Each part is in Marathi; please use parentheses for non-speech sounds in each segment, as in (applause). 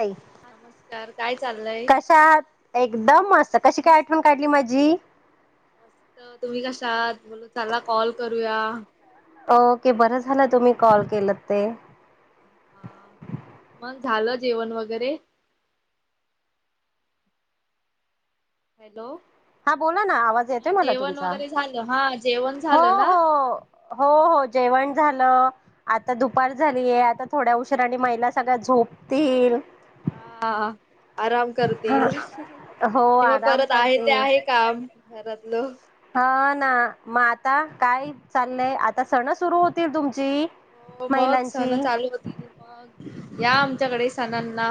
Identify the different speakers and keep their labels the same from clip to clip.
Speaker 1: नाही.
Speaker 2: नमस्कार काय चाललंय
Speaker 1: कशा आहात एकदम मस्त कशी काय आठवण काढली माझी.
Speaker 2: मस्त तुम्ही कशा आहात बोलल चला कॉल करूया.
Speaker 1: ओके बरं झालं तुम्ही कॉल केल ते.
Speaker 2: हा. झालं जेवण वगैरे. हॅलो‌.
Speaker 1: हा बोला ना आवाज येतोय मला तुमचा.
Speaker 2: झालं हा जेवण
Speaker 1: हो
Speaker 2: झालं ना
Speaker 1: हो हो हो जेवण झालं. आता दुपार झालीय आता थोड्या उशरा णि महिला सगळ्या झोपतील.
Speaker 2: हा. आराम
Speaker 1: हा
Speaker 2: करतील
Speaker 1: हो
Speaker 2: आणि मग
Speaker 1: आराम
Speaker 2: परत आहे ते
Speaker 1: करते.
Speaker 2: आहे काम. घरातल.
Speaker 1: ह ना मग आता काय चाललंय आता सण सुरु होतील तुमची
Speaker 2: हो मग
Speaker 1: महिलांची.
Speaker 2: सण चालू होतील मग या आमच्याकडे सणांना.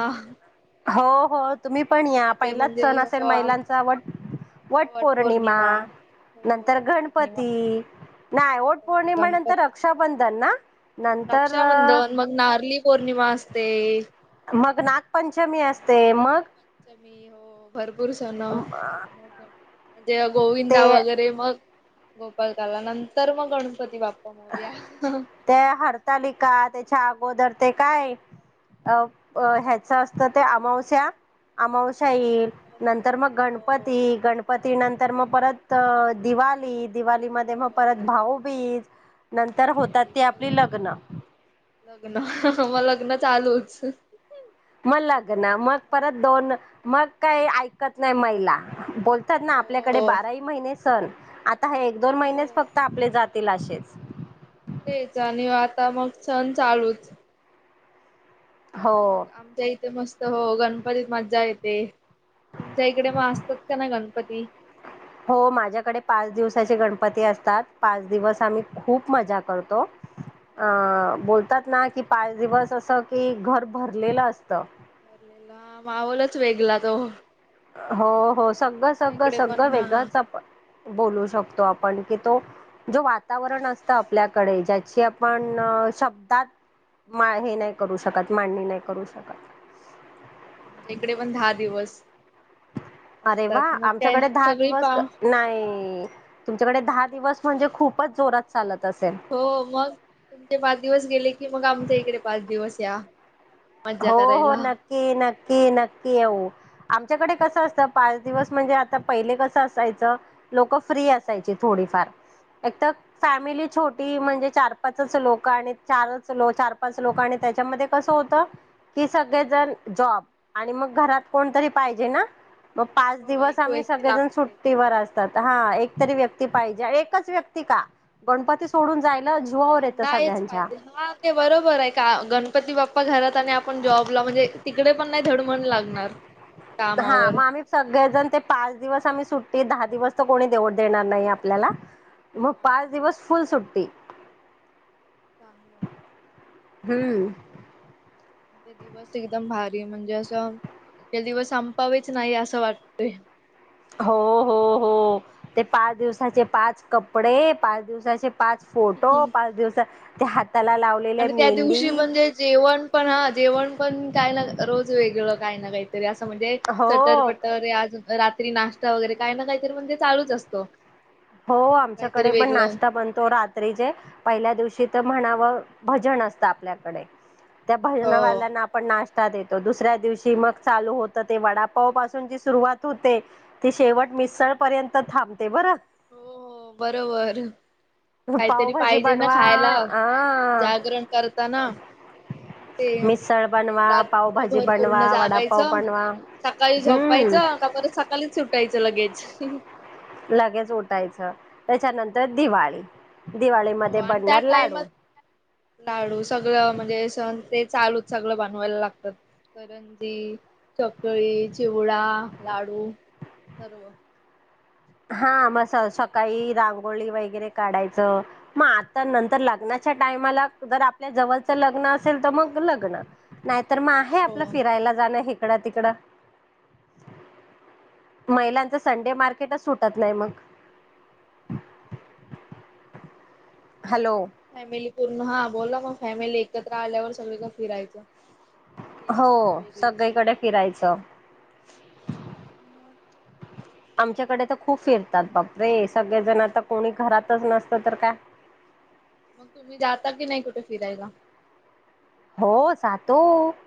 Speaker 1: हो हो तुम्ही पण या
Speaker 2: इथे
Speaker 1: पहिलाच
Speaker 2: म्हणजे
Speaker 1: सण असेल
Speaker 2: हो आम
Speaker 1: महिलांचा वट वट
Speaker 2: हो
Speaker 1: पौर्णिमा
Speaker 2: वटपौर्णिमा हो
Speaker 1: नंतर
Speaker 2: वटपौर्णिमा
Speaker 1: गणपती. नाही वट
Speaker 2: गणपती
Speaker 1: पौर्णिमा नंतर
Speaker 2: गणपत
Speaker 1: रक्षाबंधन ना. नंतर
Speaker 2: रक्षाबंधन मग नारली पौर्णिमा असते.
Speaker 1: मग नागपंचमी असते मग.
Speaker 2: मी हो भरपूर सण मग म्हणजे गोविंदा
Speaker 1: ते
Speaker 2: वगैरे मग. गोपालकाला नंतर मग गणपती बाप्पा. मोरया.
Speaker 1: त्या हरताली का त्याच्या अगोदर ते काय. अ ह्याच असत ते अमावस्या अमावस्या. (unintelligible)
Speaker 2: अमावस्या
Speaker 1: नंतर मग गणपती
Speaker 2: हो
Speaker 1: गणपती नंतर मग परत दिवाली दिवाली मध्ये मग परत
Speaker 2: दिवाळी
Speaker 1: भाऊबीज नंतर होतात
Speaker 2: भाऊबीज
Speaker 1: ते आपली
Speaker 2: सगळं
Speaker 1: लग्न.
Speaker 2: लग्न ह म लग्न चालूच.
Speaker 1: मग लग्न मग परत दोन मग काही ऐकत नाही महिला बोल. त्याना आपल्याकडे
Speaker 2: हो
Speaker 1: बारा ह महिने सण आता हे एक दोन
Speaker 2: हो
Speaker 1: महिनेच फक्त आपले जातात. जातिला अशेच.
Speaker 2: तेच आणि आता मग सण चालूच.
Speaker 1: हो
Speaker 2: मग आमच्या इथे मस्त हो गणपतीत मज्जा येते. तुमच्या इकडे मग असतात का नई गणपती?
Speaker 1: हो माझ्याकडे पाच गणपती असतात पाच दिवस आम्ही खूप मजा करतो. अं, बोलतात ना कि पाच दिवस असं कि घर भरलेलं असतं.
Speaker 2: भरलेला माहोलच वेगला तो.
Speaker 1: हो हो, सगळं
Speaker 2: आमच्या
Speaker 1: सगळं
Speaker 2: इकडे
Speaker 1: सगळं
Speaker 2: पण हा
Speaker 1: वेगळंच आपण बोलू शकतो आपण. पण की तो जो वातावरण असत आपल्याकडे अशी आपण शब्दात माळणी हे नाही करू शकत, मांडणी नाही करू शकत.
Speaker 2: आमच्या इकडे पण दहा दिवस
Speaker 1: अरे वा
Speaker 2: असतात मग त्या
Speaker 1: आमच्याकडे दहा
Speaker 2: सगळी
Speaker 1: दिवस
Speaker 2: पाव.
Speaker 1: नाही तुमच्याकडे दहा दिवस म्हणजे खूपच जोरात चालत. असेल
Speaker 2: हो मग, तुमचे पाच दिवस गेले की मग आमच्या इकडे पाच दिवस या. मज्जा
Speaker 1: हो हो,
Speaker 2: करायला.
Speaker 1: नक्की नक्की नक्की येऊ. आमच्याकडे कसं असतं पाच दिवस म्हणजे आता पहिले कसं असायचं लोक फ्री असायची थोड. एकतर
Speaker 2: अच्छा
Speaker 1: फॅमिली छोटी म्हणजे चार पाच लोक आणि चारच लो चार पाच लोक आणि त्याच्यामध्ये कसं होत कि सगळेजण जॉब आणि मग घरात कोणतरी पाहिजे ना. मग पाच
Speaker 2: हो
Speaker 1: दिवस
Speaker 2: एक
Speaker 1: आम्ही
Speaker 2: व्यक्ती
Speaker 1: सगळेजण
Speaker 2: लागते.
Speaker 1: सुट्टीवर असतात. हा एकतरी व्यक्ती पाहिजे. एकच व्यक्ती का गणपती सोडून जाय
Speaker 2: नाहीच पाहिजे, हा ते बरोबर आहे का? गणपती बाप्पा प्पा घरात आणि आपण जॉबला म्हणजे तिकडे - -
Speaker 1: हा.
Speaker 2: कामावर
Speaker 1: मग आम्ही सगळेजण ते पाच दिवस सुट्टी दहा दिवस तर कोणी देऊड देणार नाही आपल्याला. मग
Speaker 2: नाही ना
Speaker 1: पाच
Speaker 2: तेच
Speaker 1: दिवस फुल सुट्टी.
Speaker 2: चांगला आहे.
Speaker 1: हम्म.
Speaker 2: ते दिवस एकदम भारी म्हणजे असं ते दिवस संपावेच नाही असं वाटतय.
Speaker 1: हो हो हो. ते पाच दिवसाचे पाच कपडे पाच दिवसाचे पाच फोटो पाच दिवस ते हा
Speaker 2: आणि त्या दिवशी म्हणजे जेवण पण हा. जेवण पण काय ना रोज वेगळं काही ना काहीतरी असं म्हणजे
Speaker 1: हो
Speaker 2: सटरपटर अजून रात्री नाश्ता वगैरे काय ना, काहीतरी म्हणे चालूच असतो.
Speaker 1: हो,
Speaker 2: काहीतरी
Speaker 1: आमच्याकडे पण
Speaker 2: वेगळं
Speaker 1: नाश्ता बनतो रात्रीचेे, पहिल्या दिवशी. म्हणाव भजन असत आपल्याकडे त्या
Speaker 2: हो
Speaker 1: भजन
Speaker 2: हो
Speaker 1: वाल्यांना आपण ना ष्टा देतो. दुसऱ्या दिवशी मग चालू होत ते वडापाव पासून जी सुरुवात होते ते शेवट मिसळ पर्यंत थांबते बरं.
Speaker 2: हो हो, बरोबर. काहीतरी
Speaker 1: पावभाजी
Speaker 2: पाहिजे ना
Speaker 1: बनवा
Speaker 2: खायला
Speaker 1: हा
Speaker 2: जागरण करताना. हो ते
Speaker 1: मिसळ बनवा पावभाजी
Speaker 2: रात्रभर पूर्ण
Speaker 1: बनवा वडापाव
Speaker 2: जागायचं.
Speaker 1: बनवा
Speaker 2: सकाळी
Speaker 1: हम्म
Speaker 2: झोपायचं का परत सकाळीच सुटायचं लगेच.
Speaker 1: लगेच उठायचं त्याच्यानंतर दिवाळी.
Speaker 2: हो,
Speaker 1: दिवाळीमध्ये
Speaker 2: आणि त्या
Speaker 1: बनणार लाडू
Speaker 2: टायमात लाडू सगळं म्हणजे सण ते चालू सगळं बनवायला लागत. करंजी, चकळी, चिवडा, लाडू सर्व.
Speaker 1: हा, म सकाळी रांगोळी वगैरे काढायचं मग, आता नंतर लग्ना च्या टायमाला जर आपल्या जवळचं लग्न असेल तर मग लग्न नाहितर मग तर मग आहे आपलं
Speaker 2: हो.
Speaker 1: फिरायला जाणं हकडं तिकडं. महिलांचा संडे मार्केटच सुटत नाही मग. हॅलो
Speaker 2: फॅमिली पूर्ण हा. बोला मग फॅमिली एकत्र आल्यावर सगळी का फिरायचं. एक
Speaker 1: हो
Speaker 2: मज्जा वेगळीच.
Speaker 1: सगळीकडे फिरायचं.
Speaker 2: म.
Speaker 1: आमच्याकडे तर खूप फिरतात. बाप रे! सगळेजण आता कोणी घरातच नसतं तर काय.
Speaker 2: मग तुम्ही जाता की नाही कुठे फिरायला?
Speaker 1: हो. जातो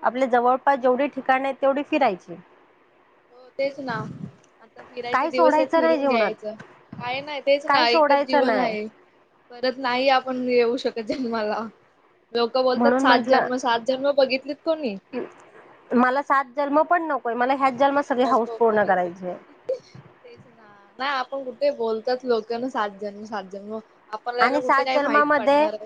Speaker 1: आपल्या जवळपास जेवढी ठिकाण हाईत तेवढी फिरायची.
Speaker 2: हो तेच ना. आता फिरायचे
Speaker 1: काही
Speaker 2: दिवस आहेत.
Speaker 1: सोडायचं नाही
Speaker 2: फिरून
Speaker 1: जीवनात
Speaker 2: घ्यायचं. काय नाही तेच ना
Speaker 1: काही
Speaker 2: एकच
Speaker 1: सोडायचं
Speaker 2: जीवन
Speaker 1: नाही
Speaker 2: आहे. परत नाही आपण येऊ शकत जन्माला. लोक बोलतात
Speaker 1: म्हणून
Speaker 2: सात
Speaker 1: म्हंटलं
Speaker 2: जन्म. सात जन्म बघितलीत कोणी?
Speaker 1: मला सात जन्म नकोय पण मला ह्याच जन्मांत सगळी हाऊस
Speaker 2: नको
Speaker 1: पूर्ण
Speaker 2: खरच
Speaker 1: करायची.
Speaker 2: तेच ना नाही आपण कुठे बोलतात लोकांना सात जन्म सात जन्म. आपल्याला
Speaker 1: आणि
Speaker 2: कुठे
Speaker 1: सात
Speaker 2: काही माहित
Speaker 1: जन्मामध्ये
Speaker 2: पडणार आहे.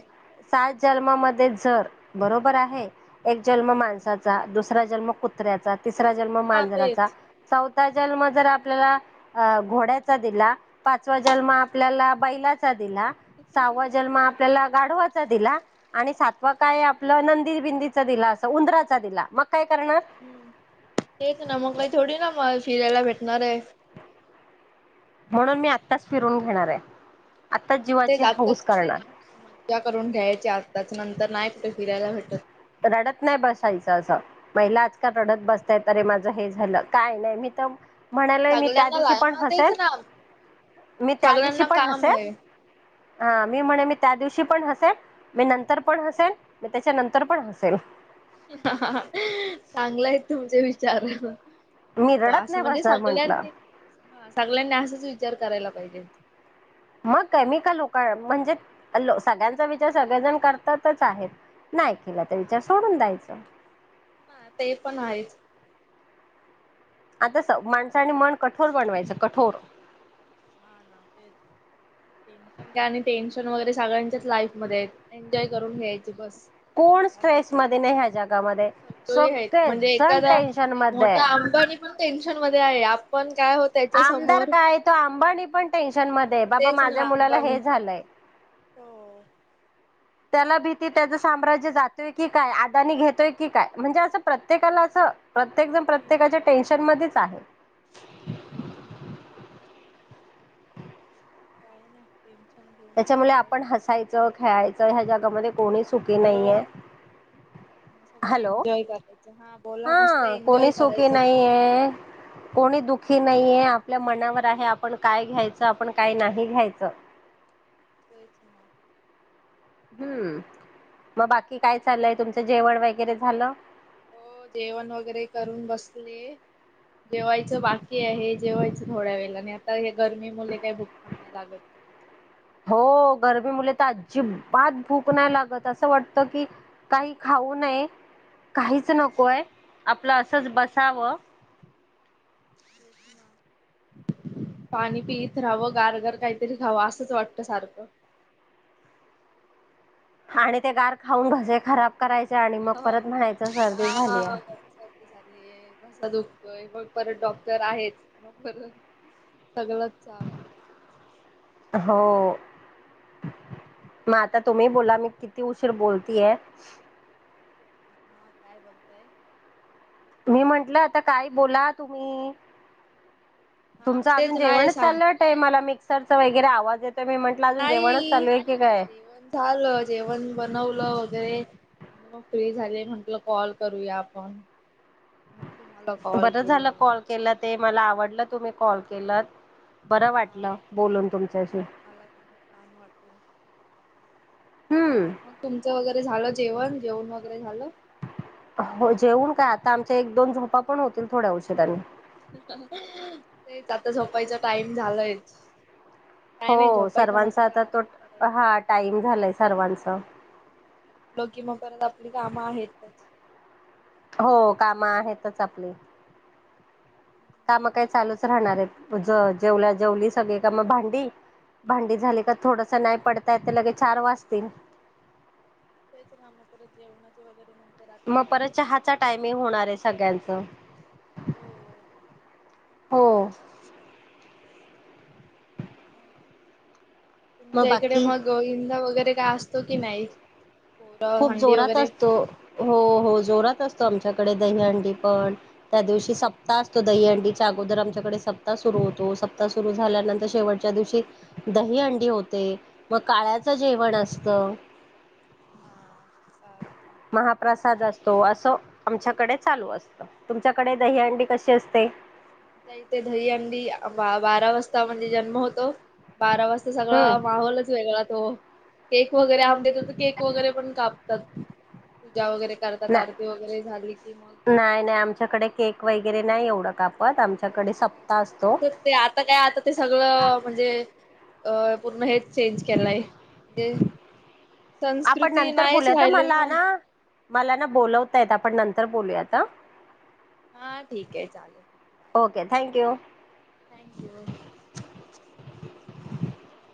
Speaker 1: सात जन्मामध्ये जर बरोबर आहे. एक जन्म
Speaker 2: हा
Speaker 1: माणसाचा, दुसरा जन्म कुत्र्याचा, तिसरा जन्म
Speaker 2: हा
Speaker 1: मांजराचा,
Speaker 2: तेच
Speaker 1: चौथ जन्म जर आपल्याला घोड्याचा दिला. पाचवा जन्म आपल्याला बैलाचा दिला. साववा जन्म आपल्याला गाढवा- - दिला आणि सात काय आपलं नंदी बंदी दिला असा उंदराच दिला काय करणार
Speaker 2: हम्म तेच ना मग काही थोडी ना मग फिरायला भेटणार आहे.
Speaker 1: म्हणून मी आत्ताच फिरून घेणार आहे. आत्ताच
Speaker 2: मग ते
Speaker 1: जीवाची हौस
Speaker 2: जातच
Speaker 1: करणार
Speaker 2: मज्जा करून घ्यायच्या त्याच नंतर नाही कुठे फिरायला भेटत.
Speaker 1: रडत नाही बसायच असं महिला आजकाल रडत बसताय अरे माझं हे झालं काय नाही मी तर म्हणालय मी त्या
Speaker 2: सगळ्यांना
Speaker 1: दिवशी
Speaker 2: लाय
Speaker 1: पण
Speaker 2: ना तेच
Speaker 1: हसेन
Speaker 2: ना
Speaker 1: मी त्या दिवशी
Speaker 2: सगळ्यांना
Speaker 1: पण
Speaker 2: काम
Speaker 1: हसेल
Speaker 2: आहे.
Speaker 1: ह मी म्हणे मी त्या दिवशी पण हसेन मी नंतर पण हसेन मी त्याच्या नंतर पण हसेन
Speaker 2: चांगलं आहे तुमचे विचार
Speaker 1: मी
Speaker 2: मस्त
Speaker 1: रडत
Speaker 2: असं
Speaker 1: नाही
Speaker 2: म्हणजे
Speaker 1: बसणार म्हंटलं
Speaker 2: सगळ्यांनी सगळ्यांनी असंच विचार विचार करायला पाहिजेत.
Speaker 1: मग केमिकल लक म्हणजे सगळ्यांचा विचार सगळेजण करतातच आहेत. नाही केला तर
Speaker 2: हा
Speaker 1: विचार सोडून द्यायचं.
Speaker 2: ना ते पण आहेच.
Speaker 1: आता स माणसाने मन कठोर बनवायचं कठोर
Speaker 2: हा ना तेच टेन्शन काणी टेन्शन वगैरे सगळ्यांच्याच लाईफ मध्ये एन्जॉय करून घ्यायचे बस.
Speaker 1: कोण स्ट्रेस मध्ये नाही ह्या जगामध्ये
Speaker 2: सग आहेत
Speaker 1: सगळे
Speaker 2: म्हणजे
Speaker 1: जण
Speaker 2: एखाद्या
Speaker 1: टेन्शन
Speaker 2: मोठा
Speaker 1: मध्ये
Speaker 2: आ कनी पण टेन्शन मध्ये आहे आपण काय हो त्याच्या
Speaker 1: आमदार
Speaker 2: समोर
Speaker 1: काय तो आ अंबानी पण टेन्शन
Speaker 2: हा
Speaker 1: मध्ये
Speaker 2: मग
Speaker 1: बाबा
Speaker 2: तेच ना
Speaker 1: माझ्या मुलाला
Speaker 2: अंबानी
Speaker 1: हे झालंय
Speaker 2: हो
Speaker 1: त्याला भीती त्याचं साम्राज्य जातोय की काय आदानी घेतोय की काय म्हणजे असं प्रत्येकाला असं प्रत्येक जण प्रत्येकाच्या टेन्शन मध्ये आहे.
Speaker 2: हो तेच ना काय नाय
Speaker 1: त्याच्यामुळे आपण हसायचं खेळायचं ह्या जगामध्ये कोणी सुखी नाही
Speaker 2: सगळं
Speaker 1: आहे.
Speaker 2: सगळं एन्जॉय करायचं हा बोला मस्त
Speaker 1: हा
Speaker 2: एन्जॉय
Speaker 1: कोणी सुखी
Speaker 2: करायचं बस.
Speaker 1: नाहीये कोणी दुःखी दुखी नाहीये आपल्या मनावर आहे आपण काय घ्यायचं आपण काय नाही घ्यायचं
Speaker 2: तेच ना.
Speaker 1: हम्म मग बाकी काय चाललंय तुमचं जेवण वगैरे झालं?
Speaker 2: हो जेवण वगैरे करून बसले. जेवायचं बाकी आहे जेवायचं थोड्या वेळे आणि आता गरमी मुळे काही भुक पण नाही लागतं.
Speaker 1: हो गरमी मुळे तर अजिबात भूक नाही लागतं असं वाटतं की काही खाऊ नाही काहीच नकोय आपलं असंच बसावं
Speaker 2: पाणी पित राहावं गारगार काहीतरी खावं असंच वाटतं सारखं
Speaker 1: आणि ते गार खाऊन घसे खराब करायचे आणि मग
Speaker 2: हो.
Speaker 1: परत म्हणायचं सर्दी
Speaker 2: हा
Speaker 1: झाली आहे.
Speaker 2: सर्दी घसा दुखतोय मग परत डॉक्टर आहेच मग सगळं चालू.
Speaker 1: हो. मग आता तुम्ही बोला मी किती उशीर बोलतीय.
Speaker 2: हा काय बोलतंय
Speaker 1: मी म्हंटलं आता काय बोला तुम्ही?
Speaker 2: हा
Speaker 1: तुमचं
Speaker 2: मग
Speaker 1: अजून
Speaker 2: तेच नाही
Speaker 1: जेवणच
Speaker 2: सांग
Speaker 1: चाललंत आहे मला मिक्सरचा वगैर आवाज येत
Speaker 2: नाही जेवण झालं जेवण बनवलं. गर आणि मग फ्री झाले म्हटलं कॉल करूया आपण तुम्हाला कॉल
Speaker 1: बरं झालं
Speaker 2: केलं
Speaker 1: कॉल केलं ते मला आवडलं तुम्ही कॉल केल. बरं वाटलं
Speaker 2: हा
Speaker 1: बोलून तुमच्याशी
Speaker 2: मला पण छान वाटलं.
Speaker 1: हम्म
Speaker 2: मग तुमच वगैरे झालं जेवण जेवण वगैरे झालं
Speaker 1: हो जेवन काय आता आमच्या एक दोन झोपा पण होतील थोड्या उशीरा ने
Speaker 2: तेच आता झोपायचा टाइम झालाय
Speaker 1: हो सर्वांचा
Speaker 2: मस्त
Speaker 1: आता तो
Speaker 2: आराम करायचा.
Speaker 1: हा टाईम झालाय सर्वांच
Speaker 2: कुठलो कि मग परत आपली कामं आहेतच
Speaker 1: हो काम आहेतच आपली काम काही चालूच राहणार आहेत जेवला जेवली सगळी काम भांडी भांडी झाली का थोडस नाही पडता य ते लगे चार वाजतील
Speaker 2: तेच काम परत जेवणाचे वगैरे म्हण
Speaker 1: मग परत चहाचा टायमिंग होणार आहे सगळ्यांच
Speaker 2: हो
Speaker 1: हो
Speaker 2: तुमच्या इकडे मग गोविंदा वगैरे काय असतो कि नाही पोरं
Speaker 1: खूप
Speaker 2: हंडी
Speaker 1: जोरात
Speaker 2: वगैरे
Speaker 1: असतो हो हो
Speaker 2: अच्छा
Speaker 1: जोरात असतो आमच्याकडे दही अंडी पण त्या दिवशी सप्ताह असतो दही अंडीच्या अगोदर आमच्याकडे सप्ताह सुरू होतो सप आता सुरू झाल्यानंतर शेवटच्या दिवशी दही अंडी होते मग काळ्याचं जेवण असत
Speaker 2: ह
Speaker 1: महाप्रसाद
Speaker 2: रात्री
Speaker 1: असतो असं आमच्याकडे चालू असत
Speaker 2: इथे दही हंडी वा बारा वाजता म्हणजे जन्म होतो बारा वाजता सगळा
Speaker 1: हम्म
Speaker 2: माहोलच वेगळा तो केक वगैरे आब देत तर केक वगैरे पण कापतात जा वगैरे करतात
Speaker 1: नाही
Speaker 2: आरती वगैरे झाली कि मग
Speaker 1: नाही नाही आमच्याकडे केक वगैरे नाही एवढं का
Speaker 2: अस ते आता काय आता ते सगळं म्हणजे अ पूर्ण हेच चेंज केलंय म्हणजे
Speaker 1: आपण
Speaker 2: संस्कृती
Speaker 1: नंतर
Speaker 2: नाहीच
Speaker 1: बोोलयात
Speaker 2: राहिले
Speaker 1: मला ना मला ना बोलवता येत आपण नंत तर बोलूया आता
Speaker 2: हा ठीक आहे चालेल बाय
Speaker 1: ओके थँक्यू
Speaker 2: थँक्यू
Speaker 1: (inaudible) (inaudible)